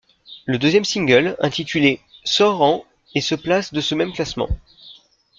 Le deuxième single intitulé ' sort en et se place de ce même classement.